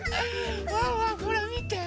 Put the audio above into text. ワンワンほらみて。